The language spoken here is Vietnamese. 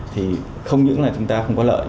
thì không những là chúng ta không có lợi